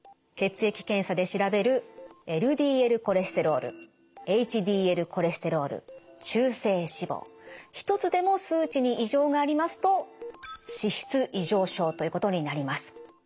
血液検査で調べるＬＤＬコレステロールＨＤＬコレステロール中性脂肪１つでも数値に異常がありますと脂質異常症ということになります。